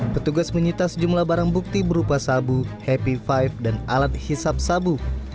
petugas menyita sejumlah barang bukti berupa sabu happy five dan alat hisap sabu